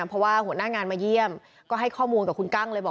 เพราะว่าหัวหน้างานมาเยี่ยมก็ให้ข้อมูลกับคุณกั้งเลยบอก